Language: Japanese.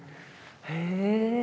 へえ。